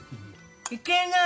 いけない！